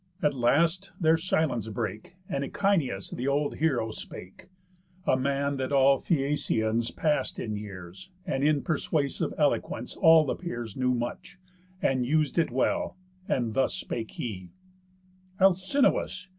At last their silence brake, And Echinëus, th' old heroë, spake; A man that all Phæacians pass'd in years, And in persuasive eloquence all the peers, Knew much, and us'd it well; and thus spake he: "Alcinous!